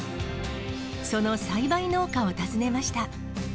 その栽培農家を訪ねました。